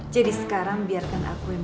jadi sekarang biarkan aku yang